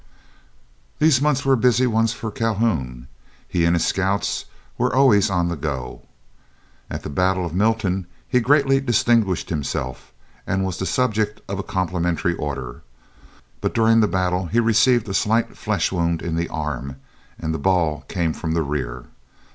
These months were busy ones for Calhoun; he and his scouts were always on the go. At the battle of Milton he greatly distinguished himself, and was the subject of a complimentary order. But during the battle he received a slight flesh wound in the arm and the ball came from the rear.